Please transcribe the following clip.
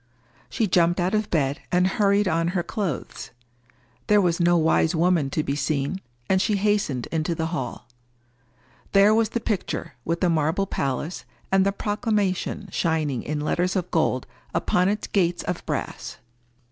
She jumped out of bed, and hurried on her clothes. There was no wise woman to be seen; and she hastened into the hall. There was the picture, with the marble palace, and the proclamation shining in letters of gold upon its gates of brass.